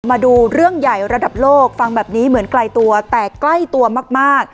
มาดูเรื่องใหญ่ระดับโลกฟังแบบนี้เหมือนไกลตัวแต่ใกล้ตัวมาก